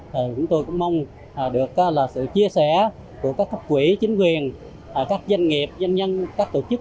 thì chúng tôi cũng mong được sự chia sẻ của các cấp quỹ chính quyền các doanh nghiệp doanh nhân các tổ chức